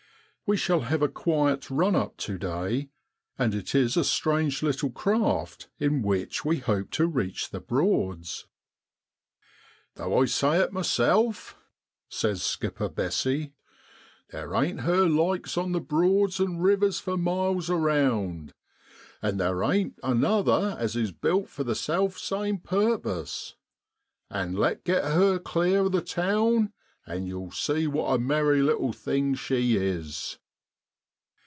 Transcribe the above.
We shall have a quiet run up to day, and it is a strange little craft in which we hope to reach the Broads. ' Though I say it myself,' says Skipper Bessey, ' there ain't her likes on the Broads an' rivers for miles around, and there ain't another as is built for the self same purpose and let get her clear of the town, and you'll see what a merry little thing she is